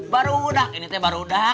baru sudah ini baru sudah